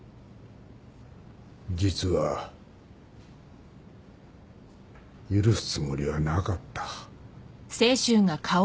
実は許すつもりはなかった。